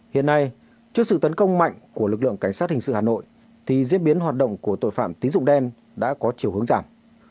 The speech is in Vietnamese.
hiện nay trước sự tấn công mạnh của lực lượng cảnh sát hình sự hà nội thì diễn biến hoạt động của tội phạm tín dụng đen đã có chiều hướng giảm